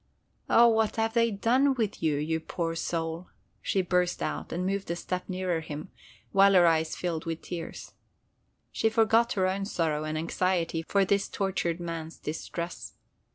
"Oh, what have they done with you, you poor soul!" she burst out, and moved a step nearer him, while her eyes filled with tears. She forgot her own sorrow and anxiety for this tortured man's distress.